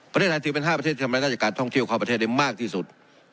ถือเป็น๕ประเทศที่ทำรายได้จากการท่องเที่ยวเข้าประเทศได้มากที่สุด